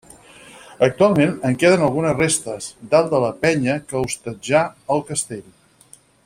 Actualment en queden algunes restes, dalt de la penya que hostatjà el castell.